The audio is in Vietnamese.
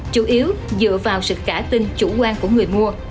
chủ yếu dựa vào sự cả tin chủ quan của người mua